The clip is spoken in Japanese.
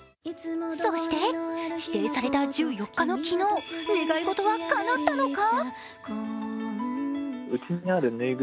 そして、指定された１４日の昨日願い事はかなったのか？